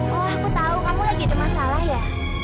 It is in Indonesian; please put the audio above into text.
oh aku tau kamu lagi ada masalah ya